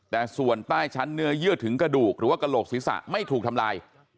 แต่ส่วนใต้ชั้นเนื้อเยื่อถึงกระดูกหรือว่ากระโหลกศีรษะไม่ถูกทำลาย